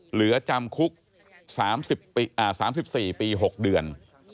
เหลือจำคุก๓๔ปี๖เดือน